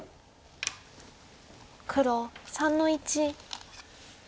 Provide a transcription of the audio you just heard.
黒３の一。